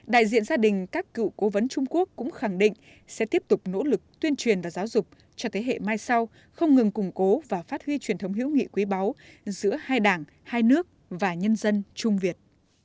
đại diện gia đình các cựu cố vấn trung quốc cũng khẳng định sẽ tiếp tục nỗ lực tuyên truyền và giáo dục cho thế hệ mai sau không ngừng củng cố và phát huy truyền thống hữu nghị quý báu giữa hai đảng hai nước và nhân dân trung việt